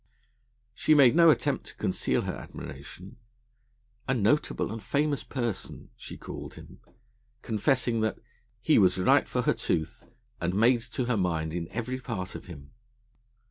She made no attempt to conceal her admiration. 'A notable and famous person,' she called him, confessing that, 'he was right for her tooth, and made to her mind in every part of him.'